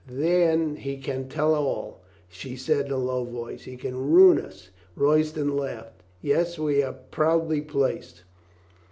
"Then he can tell all," she said in a low voice. "He can ruin us." Royston Laughed. "Yes, we are proudly placed.